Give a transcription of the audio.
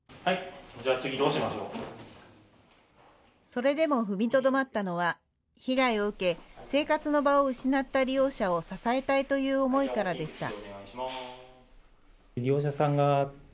それでも踏みとどまったのは被害を受け生活の場を失った利用者を支えたいという思いからでした。